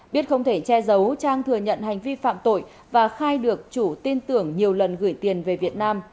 biết không thể che giấu trang thừa nhận hành vi phạm tội và khai được chủ tin tưởng nhiều lần gửi tiền về việt nam